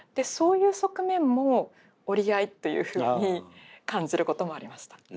そういう側面も折り合いっていうふうに感じることもありました。